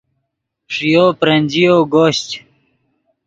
ݰییو برنجییو گوشچ